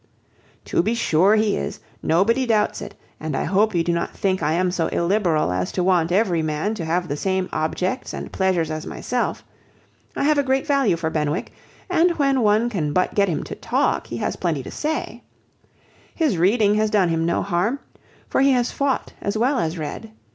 "To be sure he is. Nobody doubts it; and I hope you do not think I am so illiberal as to want every man to have the same objects and pleasures as myself. I have a great value for Benwick; and when one can but get him to talk, he has plenty to say. His reading has done him no harm, for he has fought as well as read.